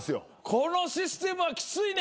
このシステムはきついね。